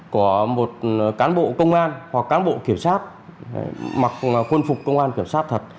có một cán bộ công an hoặc cán bộ kiểm soát mặc quân phục công an kiểm soát thật